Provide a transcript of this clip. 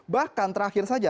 bahkan terakhir saja